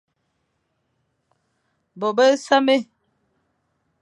Bô besamé,